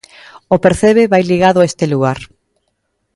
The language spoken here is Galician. O percebe vai ligado a este lugar.